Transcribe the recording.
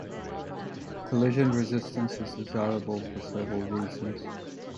Collision resistance is desirable for several reasons.